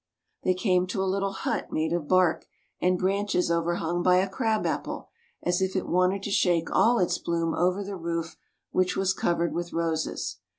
They came to a little hut made of bark, and branches over hung by a crab apple, as if it wanted to shake all its bloom over the roof, which was covered with roses.